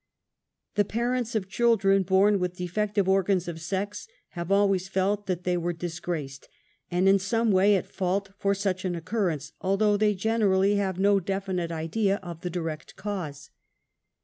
The parents of children born with defective or gans of sex have always felt that they were dis graced, and in some way at fault for such an occur rance although they generally have no definite idea of the direct cause.